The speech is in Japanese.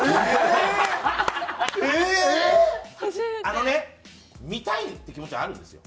あのね見たいって気持ちはあるんですよ。